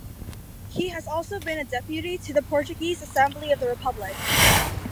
He has also been a Deputy to the Portuguese Assembly of the Republic.